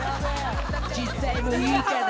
実際もういいかな？